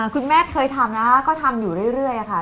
คุณแม่เคยทำนะคะก็ทำอยู่เรื่อยค่ะ